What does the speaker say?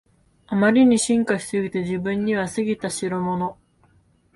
あまりに進化しすぎて自分には過ぎたしろもの